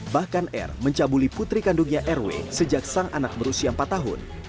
bahkan r mencabuli putri kandungnya rw sejak sang anak berusia empat tahun